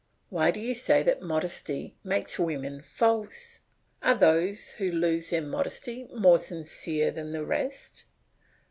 Why do you say that modesty makes women false? Are those who lose their modesty more sincere than the rest?